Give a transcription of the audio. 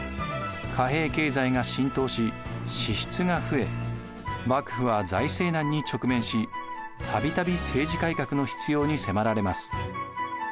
貨幣経済が浸透し支出が増え幕府は財政難に直面したびたび政治改革の必要に迫られます。